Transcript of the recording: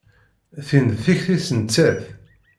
Tin d tikti-s nettat.